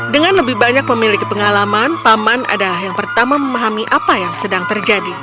dengan lebih banyak memiliki pengalaman paman adalah yang pertama memahami apa yang sedang terjadi